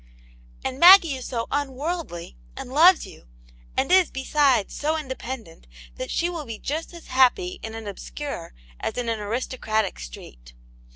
"And Maggie is so unworldly, and loves you, and ,is, besides, so independent that she will be just as happy in an obscure as in an aristocratic street.